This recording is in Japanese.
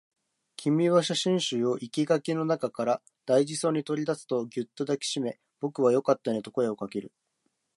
君は写真集を生垣の中から大事そうに取り出すと、ぎゅっと抱きしめ、僕はよかったねと声をかける